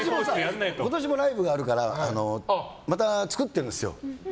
今年もライブがあるからまた作ってるんですよ。